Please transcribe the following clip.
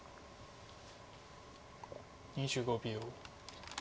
２５秒。